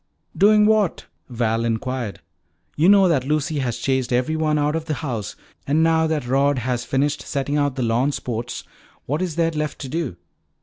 "Doing what?" Val inquired. "You know that Lucy has chased everyone out of the house. And now that Rod has finished setting out the lawn sports, what is there left to do?